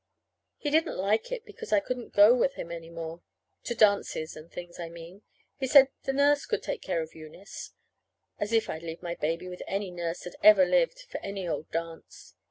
He didn't like it because I couldn't go with him any more to dances and things, I mean. He said the nurse could take care of Eunice. As if I'd leave my baby with any nurse that ever lived, for any old dance!